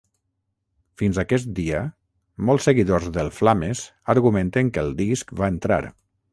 Fins aquest dia, molts seguidors del Flames argumenten que el disc va entrar.